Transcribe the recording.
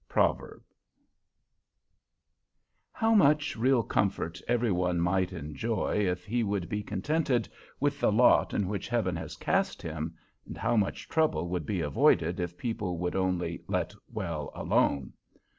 —Proverb. How much real comfort every one might enjoy if he would be contented with the lot in which heaven has cast him, and how much trouble would be avoided if people would only "let well alone."